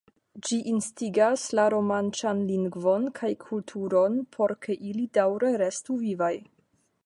Ĝi instigas la romanĉan lingvon kaj kulturon, por ke ili daŭre restu vivaj.